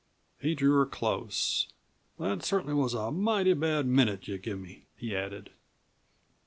He drew her close. "That cert'nly was a mighty bad minute you give me," he added.